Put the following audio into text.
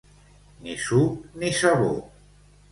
Ni suc ni sabó.